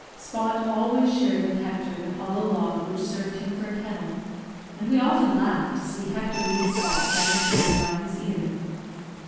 Spot always shared with Hector the hollow log which served him for a kennel, and we often laughed to see Hector lead Spot round the clearing by his ear.